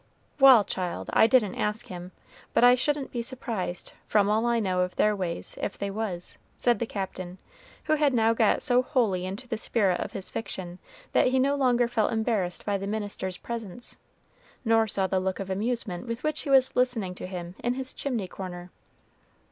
"Wal', child, I didn't ask him, but I shouldn't be surprised, from all I know of their ways, if they was," said the Captain, who had now got so wholly into the spirit of his fiction that he no longer felt embarrassed by the minister's presence, nor saw the look of amusement with which he was listening to him in his chimney corner.